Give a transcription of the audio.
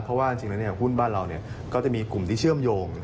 เพราะว่าจริงแล้วหุ้นบ้านเราก็จะมีกลุ่มที่เชื่อมโยง